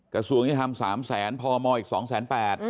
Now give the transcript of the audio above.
กระทรวงนี้ทำ๓แสนพมอีก๒แสน๘